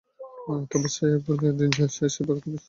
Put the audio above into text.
তবে ছায়া পেলে দিনের শেষ ভাগ পর্যন্ত সজীব থাকে গোলাপি রঙের ফুল।